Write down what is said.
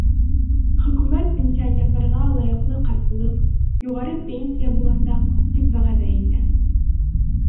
Хөкүмәт пенсионерҙарға лайыҡлы ҡартлыҡ, юғары пенсия буласаҡ, тип вәғәҙә итә.